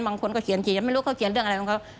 บางคนก็เขียนไม่รู้เขาเขียนเรื่องอะไรของเขา